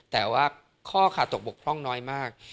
แต่ว่าข้อขาดตกบกพร่องน้อยมาก